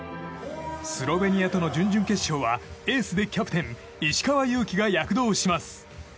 スロベニアとの準々決勝はエースでキャプテン、石川祐希が躍動します。